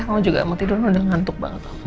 kamu juga mau tidur udah ngantuk banget